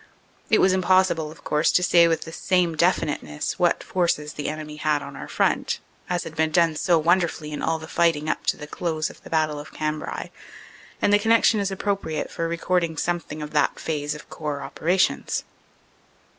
It was impossible, of course, to say with the same definiteness what forces the enemy had on our front, as had been done so wonderfully in all the fighting up to the close of the Battle of Cambrai, and the connection is appropriate for recording something of that phase of Corps operations.